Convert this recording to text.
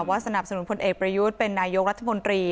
สนับสนุนพลเอกประยุทธ์เป็นนายกรัฐมนตรี